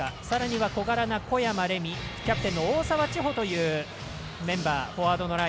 さらには小柄な小山玲弥キャプテンの大澤ちほというライン。